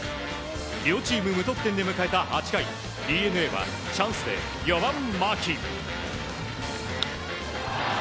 両チーム無得点で迎えた８回ＤｅＮＡはチャンスで４番、牧。